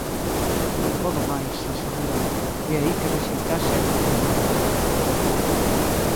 "Non podo máis", asegura, de aí que rexeitase o premio.